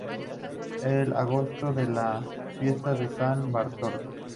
En agosto las fiestas de San Bartolo.